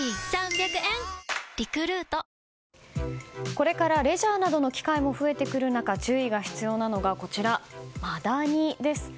これからレジャーなどの機会も増えてくる中注意が必要なのが、マダニです。